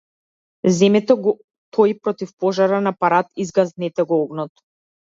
Земете го тој противпожарен апарат и изгаснете го огнот!